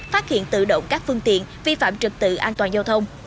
phát hiện tự động các phương tiện vi phạm trực tự an toàn giao thông